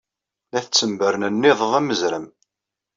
La ttembernenniḍeɣ am wezrem.